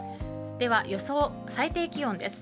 では、予想最低気温です。